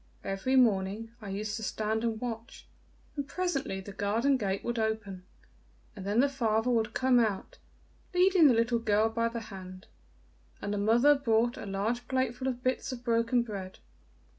Every morning I used to stand and watch, and presently the garden gate would open, and then the father would come out, leading the little girl by the hand, and the mother brought a large plateful of bits of broken bread.